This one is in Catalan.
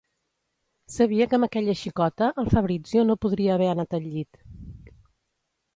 Sabia que amb aquella xicota, el Fabrizio no podria haver anat al llit.